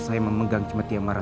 saya permisi kiai